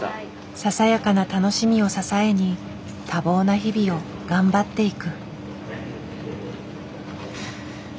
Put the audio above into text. ささやかな楽しみを支えに多忙な日々を頑張っていく。